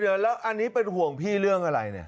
เดี๋ยวแล้วอันนี้เป็นห่วงพี่เรื่องอะไรเนี่ย